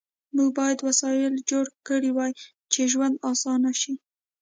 موږ باید وسایل جوړ کړي وای چې ژوند آسانه شي